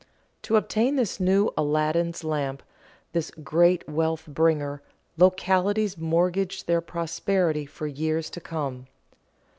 To obtain this new Aladdin's lamp, this great wealth bringer, localities mortgaged their prosperity for years to come.